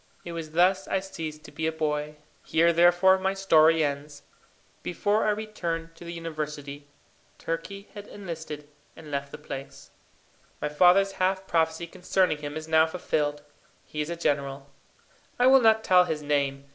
It was thus I ceased to be a boy. Here, therefore, my story ends. Before I returned to the university, Turkey had enlisted and left the place. My father's half prophecy concerning him is now fulfilled. He is a general. I will not tell his name.